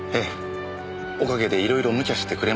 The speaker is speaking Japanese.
おかげでいろいろ無茶してくれましたけど。